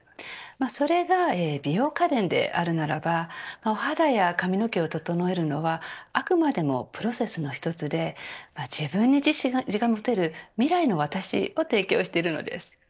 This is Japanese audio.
それが、美容家電であるならばお肌や髪の毛を整えるのはあくまでもプロセスの１つで自分に自信が持てる未来の私を提供しているのです。